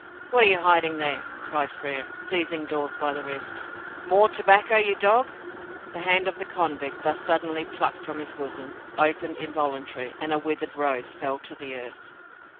"What are you hiding there?" cried Frere, seizing Dawes by the wrist. "More tobacco, you dog?" The hand of the convict, thus suddenly plucked from his bosom, opened involuntarily, and a withered rose fell to the earth.